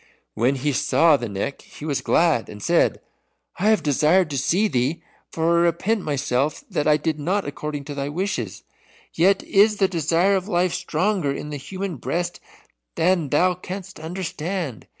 When he saw the Neck he was glad, and said, "I have desired to see thee, for I repent myself that I did not according to thy wishes. Yet is the desire of life stronger in the human breast than thou canst understand.